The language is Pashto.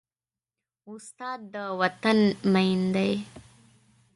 استاد د وطن مین دی.